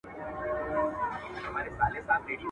مشر زوى ته يې په ژوند كي تاج پر سر كړ.